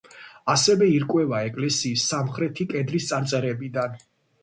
ასე ირკვევა ეკლესიის სამხრეთი კედლის წარწერებიდან.